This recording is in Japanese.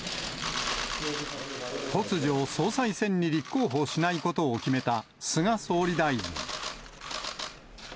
突如、総裁選に立候補しないことを決めた菅総理大臣。